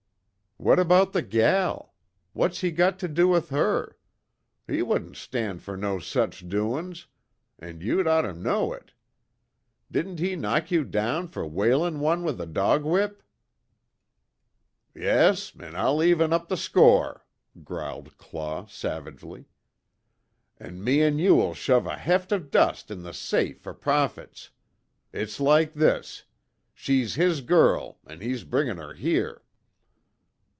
"What about the gal? What's he got to do with her? He wouldn't stand fer no such doin's, an' you'd ort to know it. Didn't he knock you down fer whalin' one with a dog whip!" "Yes, an' I'll even up the score," growled Claw savagely, "An' me an' you'll shove a heft of dust in the safe fer profits. It's like this. She's his girl, an' he's bringin' her here."